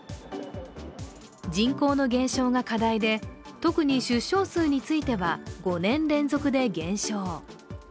人口の減少が課題で、特に出生数については５年連続で減少。